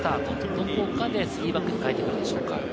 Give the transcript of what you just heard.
どこかで３バックに変えてくるかもしれません。